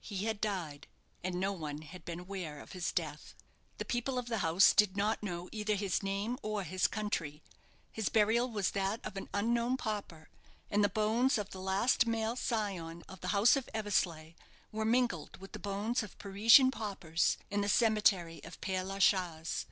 He had died, and no one had been aware of his death. The people of the house did not know either his name or his country. His burial was that of an unknown pauper; and the bones of the last male scion of the house of Eversleigh were mingled with the bones of Parisian paupers in the cemetery of Père la Chaise.